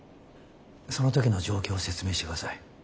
その時の状況を説明してください。